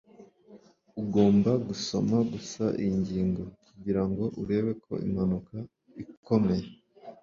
ugomba gusoma gusa iyi ngingo kugirango urebe uko impanuka ikomeye